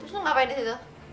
terus lo ngapain di sini